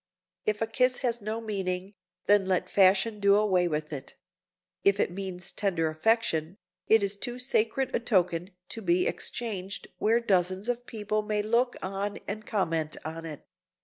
If a kiss has no meaning, then let Fashion do away with it; if it means tender affection, it is too sacred a token to be exchanged where dozens of people may look on and comment on it.